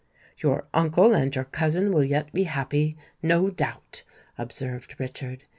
"Your uncle and your cousin will yet be happy—no doubt," observed Richard.